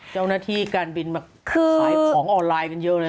เจ้าหน้าที่การบินมาขายของออนไลน์กันเยอะเลย